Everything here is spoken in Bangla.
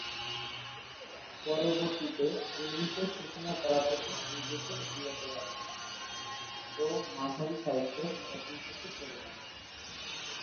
পরবর্তীতে ইনিংসের সূচনা করা থেকে নিজেকে বিরত থাকেন ও মাঝারিসারিতে ব্যাটিং করতে চলে যান।